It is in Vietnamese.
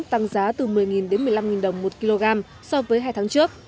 tăng giá từ một mươi đến một mươi năm đồng một kg so với hai tháng trước